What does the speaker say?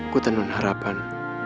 ku tenun harapan